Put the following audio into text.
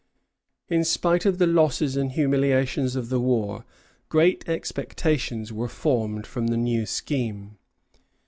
In spite of the losses and humiliations of the war, great expectations were formed from the new scheme.